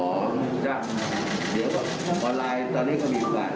อ๋อคุณผู้จัดกูลับเวทย์ออนไลน์ตอนนี้ก็มีประมาณ